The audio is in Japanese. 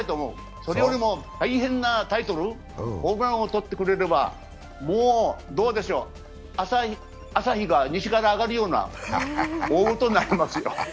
それよりも大変なタイトル、ホームラン王をとってくれれば、朝日が西からあがるような大ごとになりますよ。